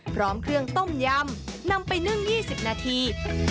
พร้อมเครื่องต้มยำนำไปนึ่ง๒๐นาที